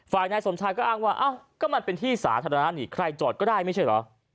นายสมชายก็อ้างว่าอ้าวก็มันเป็นที่สาธารณะนี่ใครจอดก็ได้ไม่ใช่เหรอ